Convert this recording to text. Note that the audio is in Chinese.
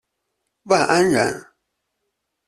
万安人。